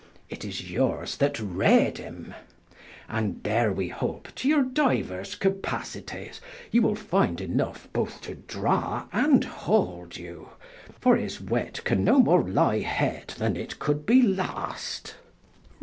It is yours that reade him. And there we hope, to your diuers capacities, you will finde enough, both to draw, and hold you for his wit can no more lie hid then it could be lost.